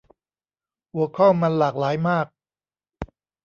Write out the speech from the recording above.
หัวข้อมันหลากหลายมาก